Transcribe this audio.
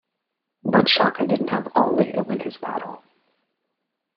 But Shaka didn't have all day to win his battle.